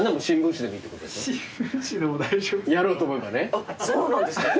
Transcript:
あっそうなんですか？